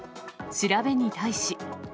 調べに対し。